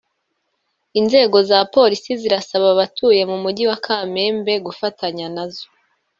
Inzego za polisi zirasaba abatuye mu mujyi wa Kamembe gufatanya nazo